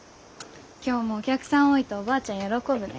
今日もお客さん多いとおばあちゃん喜ぶね。